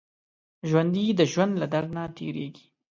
ژوندي د ژوند له درد نه تېرېږي